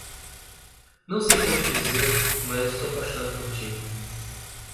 Não sei como te dizer, mas estou apaixonado por ti.